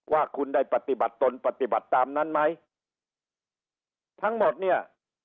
ว่าคุณได้ปฏิบัติตนปฏิบัติตามนั้นไหมทั้งหมดเนี่ย